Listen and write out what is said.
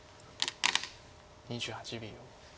２８秒。